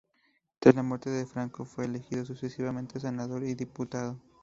Tras la muerte de Franco fue elegido sucesivamente senador y diputado.